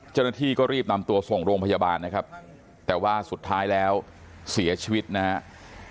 เจ้าหน้าที่ก็รีบนำตัวส่งโรงพยาบาลนะครับแต่ว่าสุดท้ายแล้วเสียชีวิตนะครับ